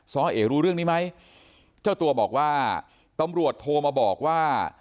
้อเอรู้เรื่องนี้ไหมเจ้าตัวบอกว่าตำรวจโทรมาบอกว่า